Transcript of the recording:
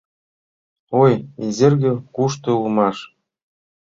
— Ой, Изерге, кушто улмаш.